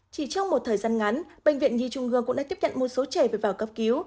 chỉ trong một thời gian ngắn bệnh viện nhi trung ương cũng đã tiếp nhận một số trẻ phải vào cấp cứu